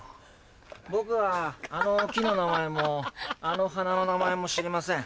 僕はあの木の名前もあの花の名前も知りません。